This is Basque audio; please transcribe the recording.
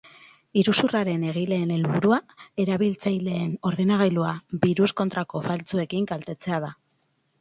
Iruzurraren egileen helburua, erabiltzaileen ordenagailua biruskontrako faltsuekin kaltetzea da.